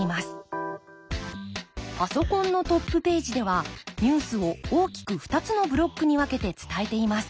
パソコンのトップページではニュースを大きく２つのブロックに分けて伝えています。